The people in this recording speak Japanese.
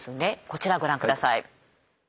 こちらご覧下さい。